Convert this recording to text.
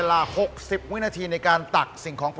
ไม่มีทาง